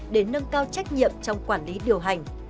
để nâng cao trách nhiệm trong quản lý điều hành